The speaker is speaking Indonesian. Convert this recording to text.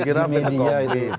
berita jelas di media